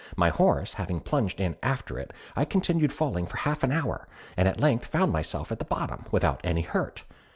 My horse having plunged in after it, I continued falling for half an hour, and at length found myself at the bottom, without any hurt.